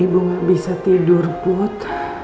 ibu gak bisa tidur puta